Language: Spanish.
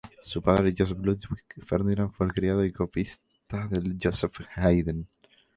Su padre, Joseph Ludwig Ferdinand, fue el criado y copista de Joseph Haydn.